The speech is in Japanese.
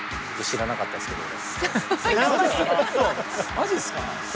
マジですか！？